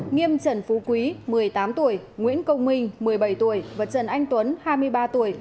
nghiêm trần phú quý một mươi tám tuổi nguyễn công minh một mươi bảy tuổi và trần anh tuấn hai mươi ba tuổi